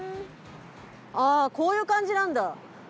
あぁこういう感じなんだ。